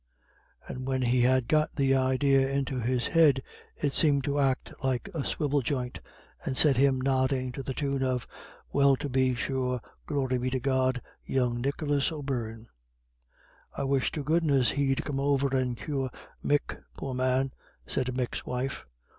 And when he had got the idea into his head, it seemed to act like a swivel joint, and set him nodding to the tune of: "Well tub be sure; glory be to God; young Nicholas O'Beirne." "I wish to goodness he'd come over and cure Mick, poor man," said Mick's wife.